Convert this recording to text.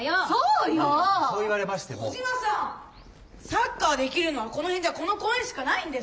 サッカーできるのはこの辺じゃこの公園しかないんです。